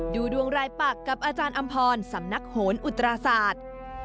ดูดวงรายปักกับอาจารย์อำพรสำนักโหนอุตราศาสตร์